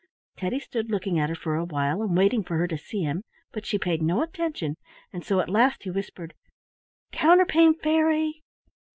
Teddy stood looking at her for a while, and waiting for her to see him, but she paid no attention, and so at last he whispered, "Counterpane Fairy!"